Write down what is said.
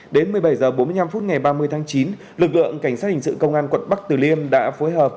đến một mươi bảy h bốn mươi năm phút ngày ba mươi tháng chín lực lượng cảnh sát hình sự công an quận bắc từ liêm đã phối hợp